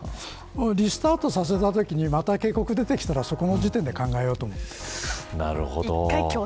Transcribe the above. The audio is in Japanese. それでリスタートさせたときにまた警告が出てきたらそこの時点で考えようと思います。